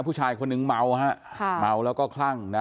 ผู้ชายคนนึงเมาฮะค่ะเมาแล้วก็คลั่งนะ